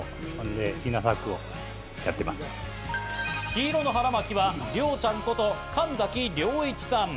黄色の腹巻きは、りょーちゃんこと神崎良一さん。